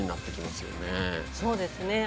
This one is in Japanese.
そうですね。